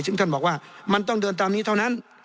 ซึ่งท่านบอกว่ามันต้องเดินตามนี้เท่านั้น